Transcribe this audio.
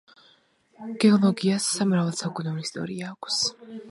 გეოლოგიას მრავალსაუკუნოვანი ისტორია აქვს.